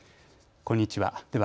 こんにちは。